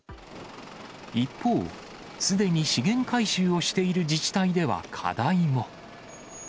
一方、すでに資源回収をしている自治体では課題も。